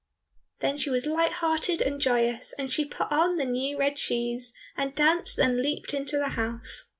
Then she was light hearted and joyous, and she put on the new red shoes, and danced and leaped into the house.